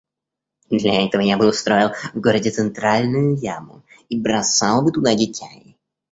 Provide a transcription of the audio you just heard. Для этого я бы устроил в городе центральную яму и бросал бы туда детей.